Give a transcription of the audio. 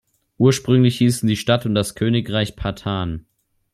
Ursprünglich hießen die Stadt und das Königreich "Patan".